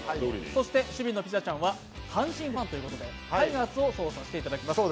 そして守備のピザちゃんは阪神ファンということでタイガースを操作していただきます。